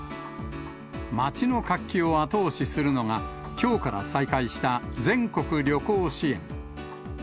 街の活気を後押しするのが、きょうから再開した全国旅行支援。